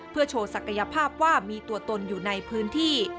เพื่อโชว์ศักยภาพว่ามีตัวตนอยู่ในพื้นที่